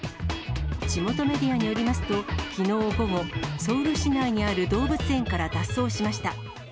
地元メディアによりますと、きのう午後、ソウル市内にある動物園から脱走しました。